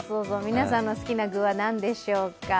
皆さんの好きな具は何でしょうか？